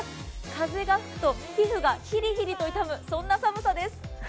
風が吹くと皮膚がひりひりと痛む、そんな寒さです。